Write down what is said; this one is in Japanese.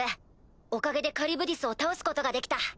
おかげでカリュブディスを倒すことができた。